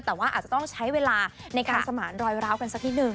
แต่ว่าอาจจะต้องใช้เวลาในการสมานรอยร้าวกันสักนิดนึ